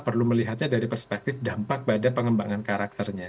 perlu melihatnya dari perspektif dampak pada pengembangan karakternya